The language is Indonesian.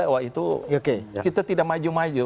wah itu kita tidak maju maju